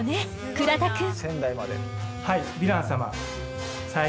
倉田くん。